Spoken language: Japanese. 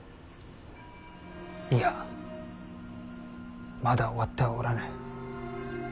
いやまだ終わってはおらぬ。